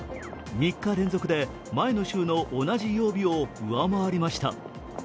３缶連続で前の州の同じ曜日を上回りました。